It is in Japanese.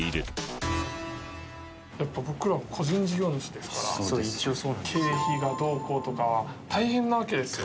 やっぱ僕らも個人事業主ですから経費がどうこうとかは大変なわけですよ。